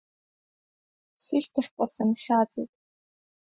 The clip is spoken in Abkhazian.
Сышьҭахьҟа сынхьаҵит.